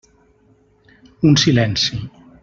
Un silenci.